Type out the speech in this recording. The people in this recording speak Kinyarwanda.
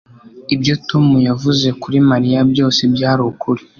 Ibyo Tom yavuze kuri Mariya byose byari ukuri